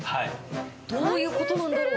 どういうことなんだろう。